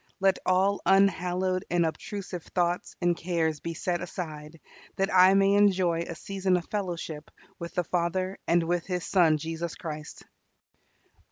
Let all unhallowed and obtrusive thoughts and cares be set aside, that I may enjoy a season of fellowship with the Father and with His Son Jesus Christ.